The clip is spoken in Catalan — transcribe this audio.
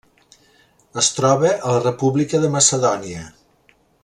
Es troba a la República de Macedònia.